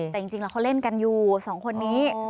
แต่จริงแล้วเขาเล่นกันอยู่สองคนนี้